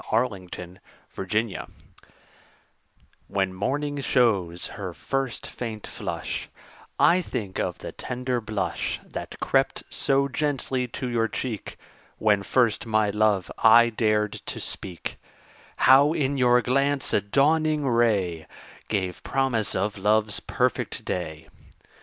MORNING, NOON AND NIGHT When morning shows her first faint flush, I think of the tender blush That crept so gently to your cheek When first my love I dared to speak; How, in your glance, a dawning ray Gave promise of love's perfect day.